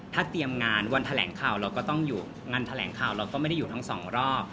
ถ้าเตรียมงานวันแถลงข่าวเราก็ต้องอยู่งานแถลงข่าวเราก็ไม่ได้อยู่ทั้งสองรอบ